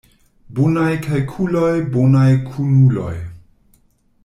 Bonaj kalkuloj, bonaj kunuloj.